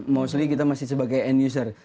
mostly kita masih sebagai end user